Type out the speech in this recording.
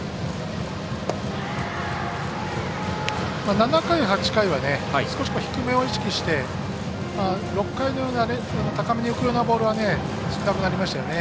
７回、８回は少し低めを意識して６回のような高めに浮くようなボールは少なくなりましたよね。